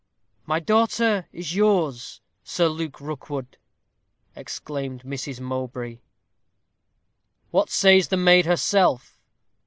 "My daughter is yours, Sir Luke Rookwood," exclaimed Mrs. Mowbray. "What says the maid herself?"